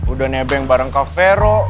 udah nebeng bareng kak vero